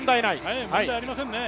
問題ありませんね。